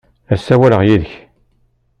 La ssawaleɣ yid-k!